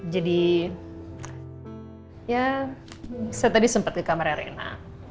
jadi ya saya tadi sempet ke kamarnya reina